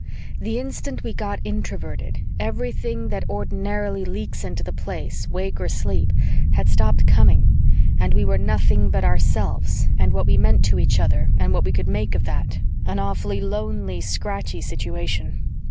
The instant we got Introverted, everything that ordinarily leaks into the Place, wake or sleep, had stopped coming, and we were nothing but ourselves and what we meant to each other and what we could make of that, an awfully lonely, scratchy situation.